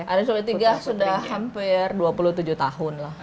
ada yang sudah tiga sudah hampir dua puluh tujuh tahun lah